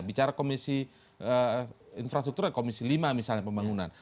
bicara komisi infrastruktur komisi lima misalnya pembangunan